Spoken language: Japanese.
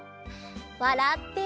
わらって。